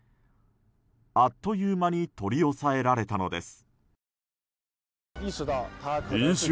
あっという間に取り押さえられたのです。